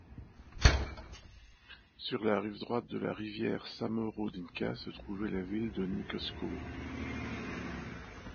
Sur la rive droite de la rivière Samorodinka, se trouvait la ville de Nikolskoe.